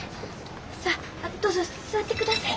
さあどうぞ座って下さい。